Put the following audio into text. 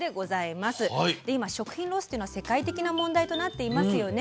今食品ロスというのは世界的な問題となっていますよね。